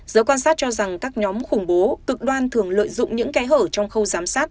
giới quan sát cho rằng các nhóm khủng bố cực đoan thường lợi dụng những kẽ hở trong khâu giám sát